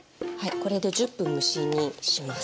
これで１０分蒸し煮します。